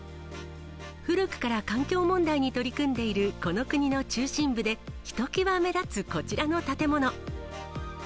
古くから環境問題に取り組んでいるこの国の中心部で、ひときわ目立つこちらの建物。